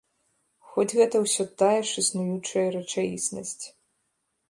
Хоць гэта ўсё тая ж існуючая рэчаіснасць.